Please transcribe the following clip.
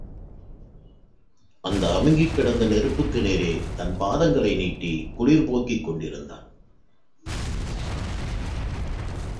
அந்த அமுங்கிக் கிடந்த நெருப்புக்கு நேரே தன் பாதங்களை நீட்டிக் குளிர் போக்கிக் கொண்டிருந்தான்.